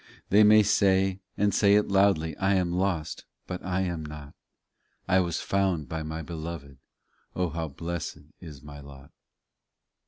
They may say, and say it loudly, I am lost; but I am not; I was found by my Beloved, O how blessed is my lot